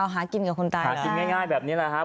หากินกับคนตายแบบนี้แหละครับ